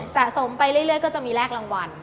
สะสมไปเรื่อยก็จะมีแรกรางวัล